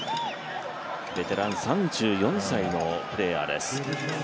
ベテラン３４歳のプレーヤーです。